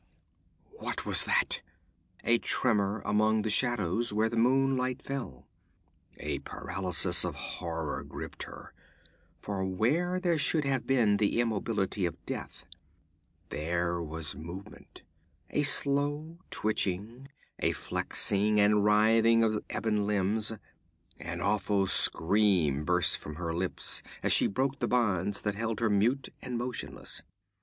What was that? A tremor among the shadows where the moonlight fell. A paralysis of horror gripped her, for where there should have been the immobility of death, there was movement: a slow twitching, a flexing and writhing of ebon limbs an awful scream burst from her lips as she broke the bonds that held her mute and motionless.